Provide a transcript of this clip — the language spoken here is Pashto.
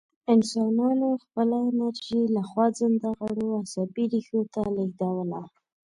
انسانانو خپله انرژي له خوځنده غړو عصبي ریښو ته لېږدوله.